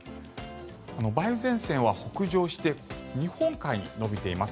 梅雨前線は北上して日本海に延びています。